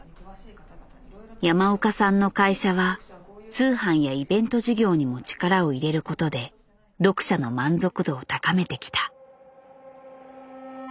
山岡さんの会社は通販やイベント事業にも力を入れることで読者の満足度を高めてきた。